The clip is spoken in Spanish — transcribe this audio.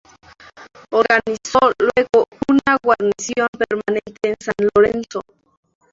Organizó luego una guarnición permanente en San Lorenzo.